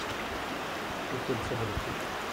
Et quel serait le prix ?